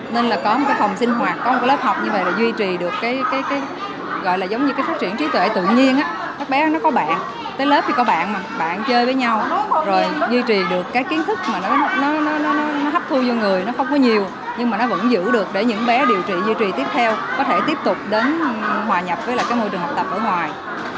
nó hấp thu vào người nó không có nhiều nhưng mà nó vẫn giữ được để những bé điều trị duy trì tiếp theo có thể tiếp tục đến hòa nhập với môi trường học tập ở ngoài